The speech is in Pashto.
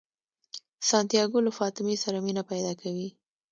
سانتیاګو له فاطمې سره مینه پیدا کوي.